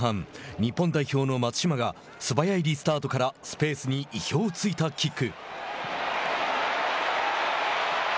日本代表の松島が素早いリスタートからスペースに意表を突いたキック。